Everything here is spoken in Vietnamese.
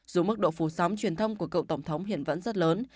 dù mức độ phủ sóng truyền thông của cựu tổng thống hiện vẫn rất lớn